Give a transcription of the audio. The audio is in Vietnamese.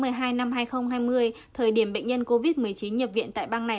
từ tháng một mươi hai năm hai nghìn hai mươi thời điểm bệnh nhân covid một mươi chín nhập viện tại bang này